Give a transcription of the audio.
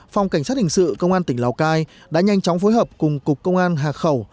phòng cảnh sát hình sự công an tỉnh lào cai đã nhanh chóng phối hợp cùng cục công an hà khẩu